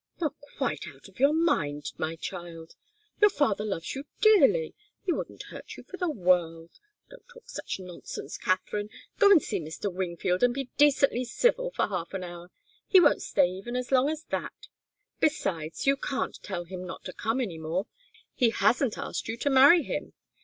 "You're quite out of your mind, my child! Your father loves you dearly. He wouldn't hurt you for the world. Don't talk such nonsense, Katharine. Go and see Mr. Wingfield, and be decently civil for half an hour he won't stay even as long as that. Besides, you can't tell him not to come any more. He hasn't asked you to marry him.